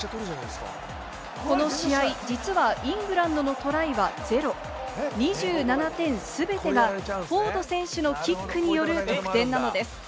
この試合、実はイングランドのトライはゼロ、２７点全てがフォード選手のキックによる得点なのです。